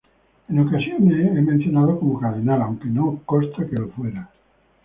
En ocasiones es mencionado como cardenal, aunque no consta que lo fuera.